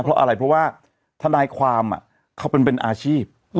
เพราะอะไรเพราะว่าทนายความเขาเป็นอาชีพ